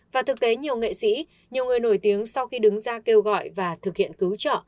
và thực tế nhiều nghệ sĩ nhiều người nổi tiếng sau khi đứng ra kêu gọi và thực hiện cứu trợ